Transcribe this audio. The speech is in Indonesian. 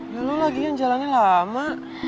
ya lo laginya jalannya lama